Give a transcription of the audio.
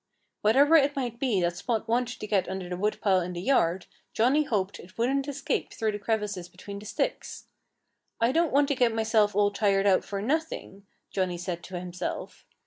Whatever it might be that Spot wanted to get under the woodpile in the yard, Johnnie hoped it wouldn't escape through the crevices between the sticks. "I don't want to get myself all tired out for nothing," Johnnie said to himself.